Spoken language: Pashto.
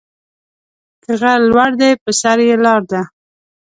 که غر لوړ دى، په سر يې لار ده.